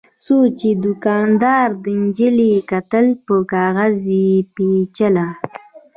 څو چې دوکاندارې نجلۍ کلنه په کاغذ کې پېچله.